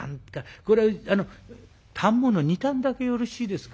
これ反物２反だけよろしいですか？